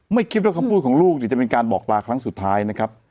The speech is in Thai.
ไม่คิดว่าคำพูดของลูกเนี่ยจะเป็นการบอกปลาครั้งสุดท้ายนะครับ